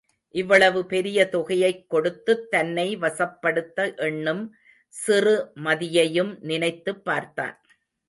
இவ்வளவு பெரிய தொகையைக் கொடுத்துத் தன்னை வசப்படுத்த எண்ணும் சிறு மதியையும் நினைத்துப் பார்த்தான்.